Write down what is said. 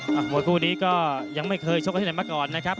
มวยคู่นี้ก็ยังไม่เคยชกกันที่ไหนมาก่อนนะครับ